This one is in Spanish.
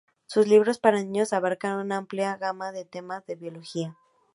Sus libros para niños abarcan una amplia gama de temas en biología.